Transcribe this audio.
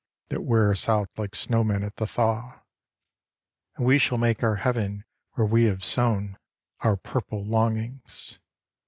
That wear us out like snow men at the thaw. And we shall make our Heaven where we have sown Our purple longings.